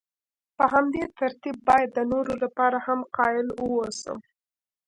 په همدې ترتیب باید د نورو لپاره هم قایل واوسم.